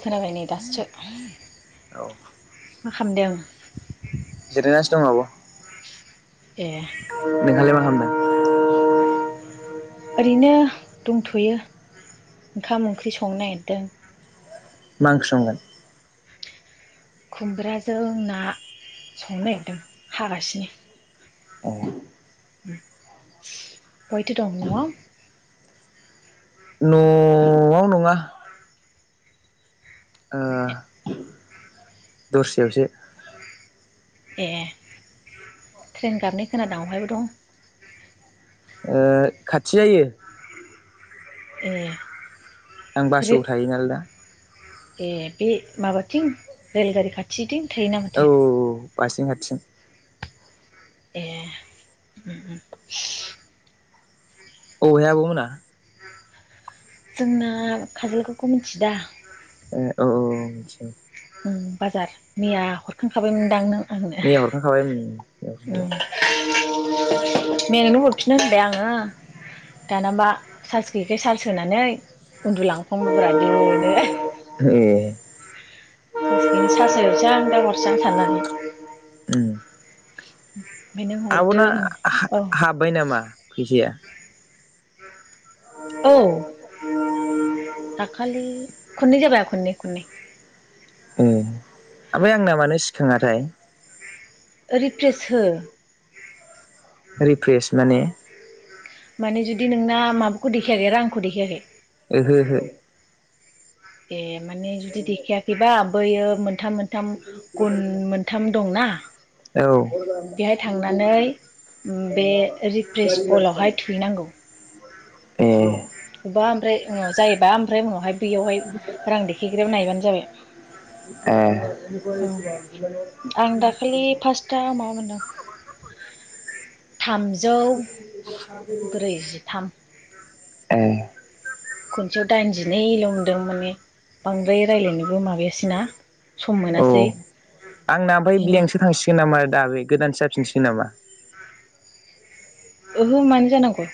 खोनाबाय नै दासो, मा खामदों? [inaudible] जिरायगासिनो दं आब', ए नोंहालाय मा खामदों? ओरैनो दंथ'यो ओंखाम ओंख्रि संनो नागिरदों। मा ओंख्रि संगोन? खुमब्राजों ना संनो नागिरदों हागासिनो। बहायथो दं न'आव? न'आव नङा ओ दस्रायावसो। ए ट्रेन गाबनाय खोनादों अहायबा दं? खा-खाथि जायो। ए। आं रो बासुगावाव थायो नालाय दा। ए बे माबाथिं रेलगारि खाथिथिं? थै ना माथो बारसिं हारसिं। ए। बबेयाव आब' मोना? जोंना खाजोलगावखौ मिथियोदा? ए औ औ मिथियो। उम बाजार मैया हरखांखाबायमोनदां नों? आंनो मैया हरखांखाबाय उम मैया औ हरखांखाबाय । नोंनो हरफिननो होनबाय आङो दाना बा चार्ज गैयिखाय चार्ज होनानै उन्दुलांफांबायब्रा दोनो ए। चार्स गैयिनि चार्स होग्रोसां आं दा हरसै आं साननानै उम । आब'ना हा-हाब्बाय नामा फैसाया? औ। दाखालि खननै जाबाय खननै खननै। अ ओमफाय आंना मानो सिखाङाथाय? रिफ्रेस हो। रिफ्रेस माने? माने जुदि नोंना माबाखौ देखायाखै रांखौ देखायाखै? ओहो ओहो। ए माने जुदि देखायाखैबा बैयो मोन्थाम मोन्थाम गुन मोन्थाम दंना बेहाय थांनानै बे औ रिफ्रेस अलावहाय थुहैनांगौ ए। अब्बा ओमफ्राय उनाव जायोबा ओमफ्राय उनावहाय बेयावहाय रां देखायग्राबो नायबानो जाबाय । आं दाखालि फार्स्टआ ए। थाम [inaudible] एह। खनसेयाव दाइनजिनैल' मोन्दों माने बांद्राय रायज्लायनोबो माबायासै ना । अ आंना ओमफाय बेखायनो ब्लेंकसो थांसिगोन नामा दा बे गोदानसो जा फिनसिगोन नामा? ओहो मानो जानांगौ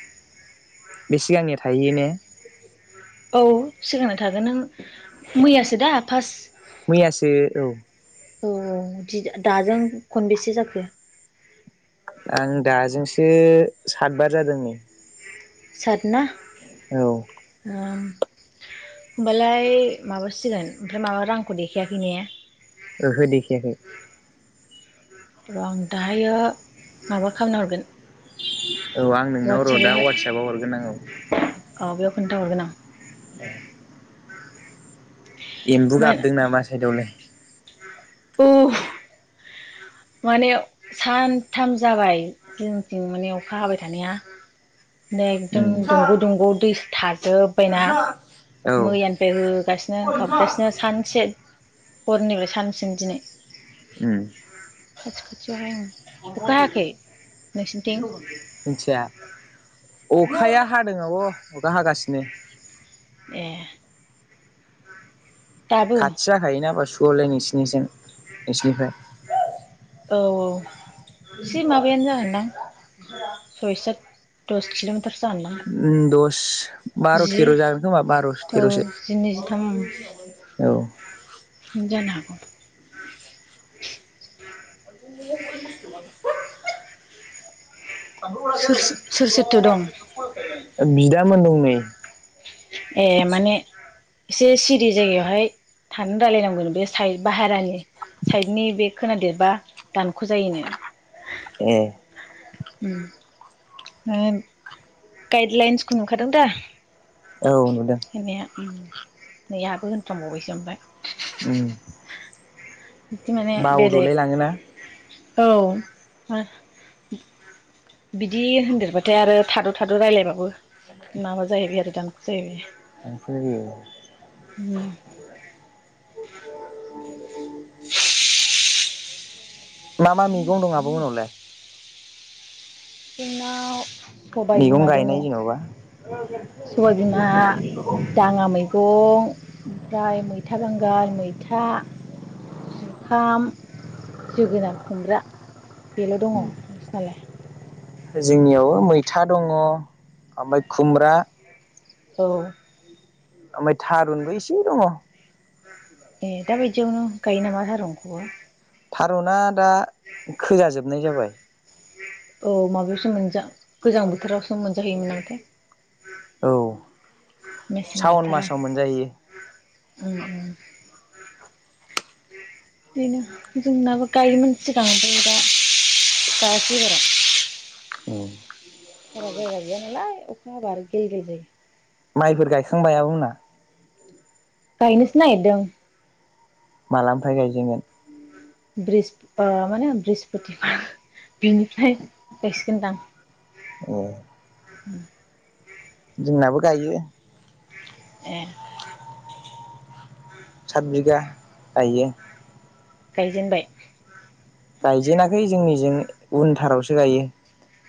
बे सिगांनिया थाहैयो ने? औ सिगांना थागोन नों मैयासो दा फार्स्ट मैयासो औ। औ दि-दाजों खनबेसे जाखो? आं दाजोंसो सातबार जादों नै। सातना? औ होमबालाय माबासिगोन ओमफाय माबा रांखौ देखायाखै ने? ओहो देखायाखै र' आं दाहायो माबा खामना हरगोन। औ आं नोंनाव र' दा वाट्सएपावहाय वाटसापआव हरगोन आं औ। औ बेयाव खोन्थाहरगोन आं। एम्बु मा गाबदों नामा साइदआवलाय? उह माने सानथाम जाबाय जोंनिथिं माने अखा हाबाय थानाया। एकदम दंग' दंग' दै थाजोबबायना। औ मैयानिफ्राय होगासिनो गाबगासिनो सानसे। हरनिफ्राय सानसिम दिनै। उम [unintelligible] अखा हायाखै नोंसिनिथिं मिनथिया अखाया हादों आब' अखा हागासि [unintelligible] ए दाबो खाथि जाखायोनाबा सु औलाय नोंसिनिजों नोंसोरनिफ्राय औ औ सि माबायानो जागोनदां सय साथ दस किल' थोरसो जागोनदां। [unintelligible] बार' जि थेर' जागोन खोमा बार' औ थेर'सो जिनै जिथाम औ। जानो हागौ। [unintelligible] सोर सोर सोरथो दं [unintelligible] बिदामोन दं नै। ए माने एसे सिरि जायगायावहाय थानो रायलायनांगौ नो बे साइ बाहेरानि साइडनि बे खोनादेरबा दानख' जायोनो। ए उम [unintelligible] गाइडलाइन्सखौ नुखादों दा? औ नुदों [unintelligible] उम नै आंहाबो होनफ्लां बावबायसो ओमफाय उम बिदि माने बेलेग बावदुलाय लाङोना? औ बिदि होनदेरबाथाय आरो थाद' थाद' रायलायबाबो माबा जाहैबाय आरो दानख' जाहैबाय [unintelligible] उम [unintelligible] मा मा मैगं दं आ बुं होनहरलाय। जोंनाव सबाय मैगं बिमा दङ गायनाय जेन'बा सबाय बिमा दाङा मैगं ओमफ्राय मैथा बांगाल मैथा जुखाम जोगोनार खुमब्रा। बेल' दङ नोंसिनालाय? जोंनियाव मैथा दङ आमफाय खुमब्रा। औ ओमफाय थारुनबो इसे दङ। ए दाबायदियावनो गायो नामा थारुनखौबो? थारुना दा खोजाजोबनाय जाबाय। औ माबायावसो मोनजा गोजां बोथोरावसो मोनजाहैयोमोन नामाथाय? औ मेसें सावन मासाव बोथोराव मोनजायो ओम ओम। बिदिनो जोंनाबो गाइयोमोन‌ सिगां जोङो दा गाइयाखै एबाराव। औ। बारा जायगा गैया नालाय अ खा हाबा आरो गेल गेल जायो। माइफोर गायखांबाय आब' मोना? गायनोसो नागिरदों। मालानिफ्राय गायजेनगोन? ब्रिहस्प ओ मा होनो ब्रिहस्पतिबार बिनिफ्राय गायसिगोनदां। औ। [inaudible] जोंनाबो गायो। ए सात बिगा गायो। गायजेनबाय? गायजेनाखै जोंनिजों उनथारावसो गायो।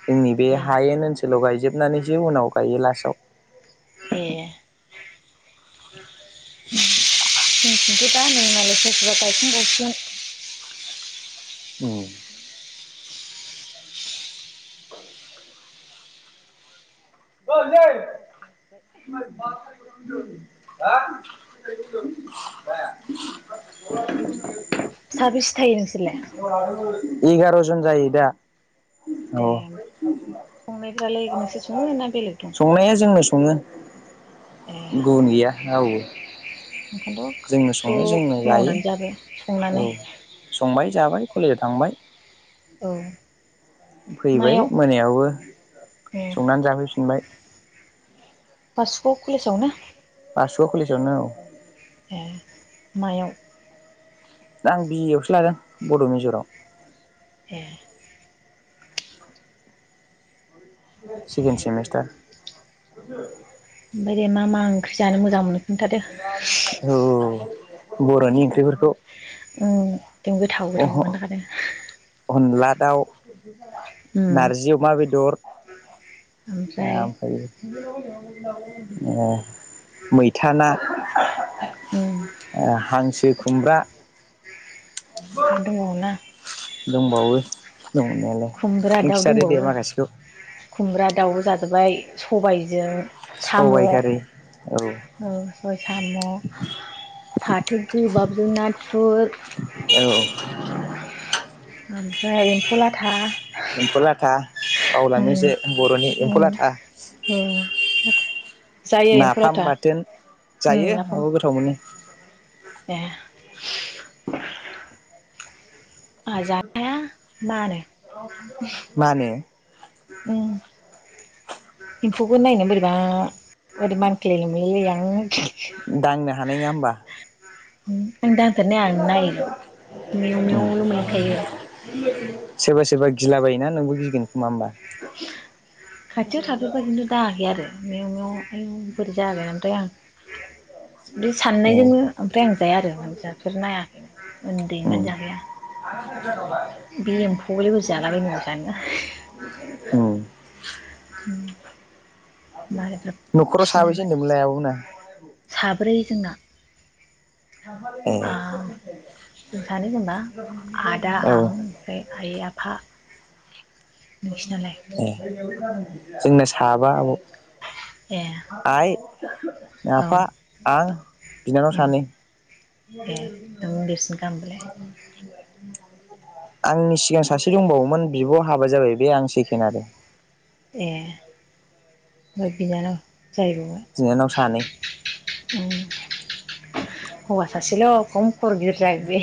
जोंनि बे ए हायेन ओनसोलाव गायजोबनानैसो उनाव गायो ला साव। ए जोंनिथिं थ दा नै मालाय सोरबा सोरबा गायखां बावसिगोन। जा ओंखामनि आवाज खोनाजोब्बाय। साबेसे थायो नोंसोरलाय? एगार' जन जायो दा। औ। फ्रालाय नोंसोर सङोना संनाया जोंनो सङो ए गुबुन गैया रावबो। ओंखायनोथ' जोंनो सङो जोंनो ज' जायो मावनानै जाबो संनानै। औ संबाय जाबाय कलेजाव थांबाय। औ। फैबाय मायाव मोनायावबो ए संनानै जाफैफिनबाय। बासुगाव कलेज आव नो? बासुगाव कलेसावनो औ‌। मायाव द आं बिए आवसो लादों बड' मेजराव ए सेकेन्ड सेमिस्टार [unintelligible] ओमफ्राय दे मा मा ओंख्रि जानो मोजां मोनो। खोन्थादो औ बर'नि ओंख्रिफोर ओं गोथाव गोथावबो खोन्थाखादों अनला दाउ नारजि अमा बेदर ओमफ्राय ओमफ्रायो ओ मैथा ना उम ओ हांसो खुमब्रा आरो दंबावना दंबावो दंनायालाय नों खिथादो दे माखासेखौ खुमब्रा दाउ जाजोबबाय सबायजों साम' सबाइ खारि औ साम' फाथ गोबाब नाथ औ। ओमफ्राय एम्फौ ला था। एम्फौ लाथा। बावलाङो जे बर'नि उम एम्फौ लाथा। [unintelligible] जायो एम्फौ नाफाम लाथा। बाथोन उम जायो नाफाम औ गोथाव मोनो। ए आहा जानो हाया मानो। मानो। उम। एम्फौखौ नायनो बोरैबा ओरै मान [unintelligible] दांनो हानाय नङा होमबा। उम। मेव मेवल' मोनलोंखायो सेबा सेबा। गिलाबायोना नोंबो गिगोन खोमा होमबा। खाथियाव थाफेरबाय खिन्थु दाङाखै आरो। मेव मेव। आयु बोरै [unintelligible] आं। बे ए साननायजोंनो ओमफ्राय आं जाया आरो माने जाफेरनायाखै उम उन्दैनिफ्रायनो जाखाया बे एम्फौखौलाय बोरै जालाबायनांगौ उम [unintelligible] उम। न'खराव साबैसे मालायफ्रा होनदोंमोनलाय आब'मोना [unintelligible] साब्रै जोंना। ए आं जों सानो जेन'बा आदा औ आं ओमफ्राय आइ आफा। नोंसिनालाय। ए जोंना साबा आब'। ए आइ। औ आफा आं बिनानाव सानै। ए नों देरसिनखा ओमबालाय। आंनि सिगां सासे दंबावोमोन बिब' हाबा जाबाय बे आं सेकेन्ड आरो। ए। [unintelligible] बिनानाव सानै [unintelligible] हौवा सासेल' खम खर' गिदिर जागोन बे।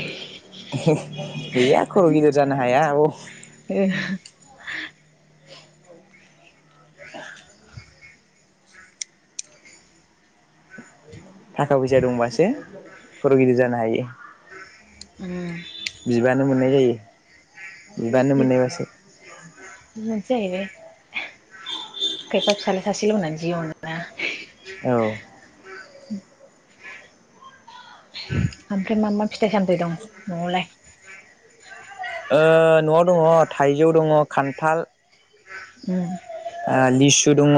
गैया खर' गिदिर जानो हाया। औ ए [inaudible] थाखा फैसा दंबासो खर' गिदिर जानो हायो। उम बिबानो मोननाय जायो। बिबानानो मोननाय बासो। मोनसे जाहैबाय खायफा फिसालाय सासेल' होननानै जि अनोना। औ ओमफ्राय मा मा फिथाइ सामथायाइ दं न'वावलाय? ओ न'वाव दङ थाइ जौ दङ खान्थाल। उम ओ लिसु दङ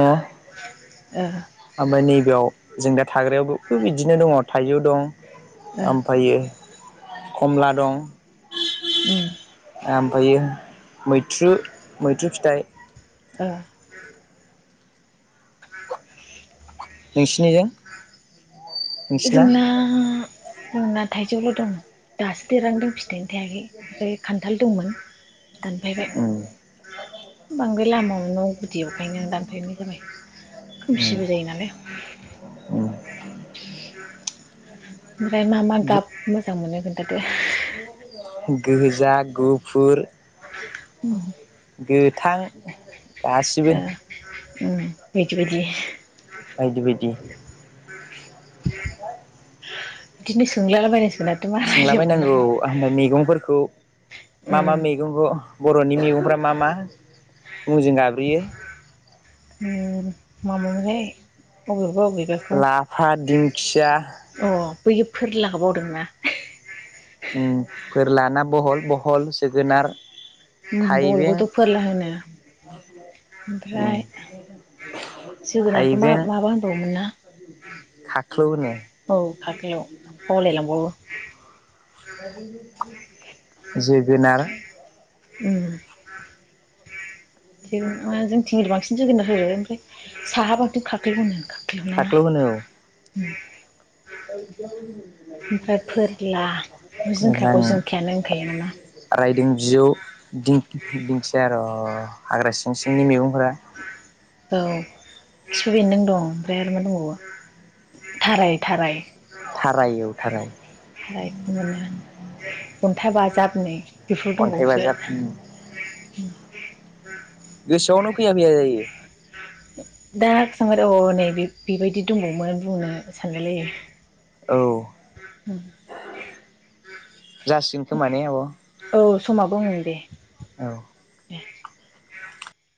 ओ ओमफ्राय नैबेयाव जों दा थाग्रायावबो बिदिनो दङ थाइजौ दं। ओ ओमफायो कमला दं। उम आमफ्रायो मैथ्रु मैथ्रु फिथाइ। ओ [inaudible] नोंसिनिजों नोंसिना जोंना जोंना थाइजौलै दासो देरहांदों फि नो थाइयानो थायाखै ओरै खान्थाल दंमोन। उम दानफायबाय। बांद्राय लामा न' गुदियावखायनो दानफैनाय जाबाय। उम खोमसिबो जायो नालाय। उम [inaudible] ओमफ्राय मा मा गाब मोजां मोनो खोनथादो। गोजा गुफुर उम गोथां ओ गासैबो। उम बायदि बायदि बायदि बायदि [inaudible] बिदिनो सोंलालाबा [unintelligible] सोंलाबायायनांगौ ओमफाय मेगंफोरखौ मा मा उम मेगंखौ बर'नि मेगंफ्रा मा मा मुंजों गाब्रियो उम मामोनहाय अबेबा अबेबाखौ लाफा दिंखिया अ' बैयो फोर लाबावदोंना उम फोरलाना बहल बहल जोगोनार उम थाइबें बहलखौथ' फोरला होनो उम ओमफ्राय जोगोनारखौ मा थाइबें माबा होनबावोमोन ना खाख्लौ होनो औ खाख्लौ बावलायलांबावो। [inaudible] जोगोनार उ [unintelligible] जोंथिं बांसिन जोगोना होनो ओमफ्राय साहाबाथ' खाख्लौ होनो। खाख्लौ होनो औ उ फोरला जिंखाखौ जिंखायानो होनखायो नामा [unintelligible] रायदों बिजौ दिं दिंखिया र'द हाग्रा सिं सिंनि मैगंफोरा औ खिफि बेनदों दं ओमफ्राय आरो मा दंबावो थाराय थाराय थाराय औ थाराय। थारायखौ मोनो अन्था बाजाबनै बेफोर अन्थाइ दंबावोसो बाजाब गोसोआवनो फैया फैया जायो। दा स अ नै बे बेबायदि दंबावोमोन बुंनो सानलायलायो। औ जासिगोन खोमा ने आब'? औ समाबो उम दे औ [inaudible]